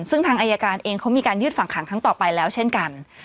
ซึ่งทางอายการเองเขามีการยืดฝั่งขังครั้งต่อไปแล้วเช่นกัน